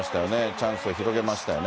チャンスを広げましたよね。